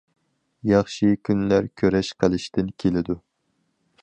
ياخشى كۈنلەر كۈرەش قىلىشتىن كېلىدۇ.